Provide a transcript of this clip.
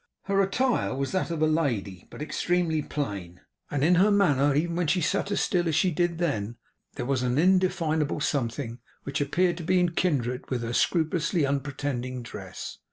Her attire was that of a lady, but extremely plain; and in her manner, even when she sat as still as she did then, there was an indefinable something which appeared to be in kindred with her scrupulously unpretending dress.